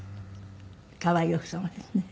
可愛い奥様ですね。